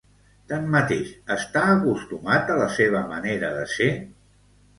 Tanmateix, està acostumat a la seva manera de ser?